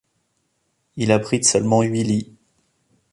Il abrite seulement huit lits.